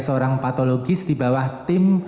seorang patologis di bawah tim